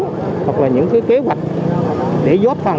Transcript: những cái ý kiến hoặc là những cái kế hoạch để gióp phần